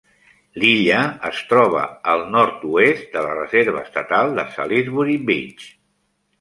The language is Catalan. L'illa es troba al nord-oest de la reserva estatal de Salisbury Beach.